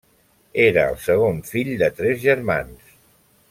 Era el segon fill de tres germans.